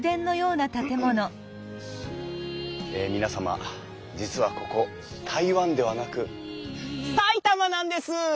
え皆様実はここ台湾ではなく埼玉なんです！